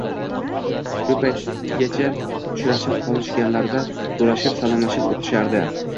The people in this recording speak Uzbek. shu paytgacha uchrashib qolishganlarida so'rashib- salomlashib o'tishardi.